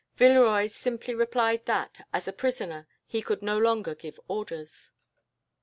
Villeroy simply replied that, as a prisoner, he could no longer give orders.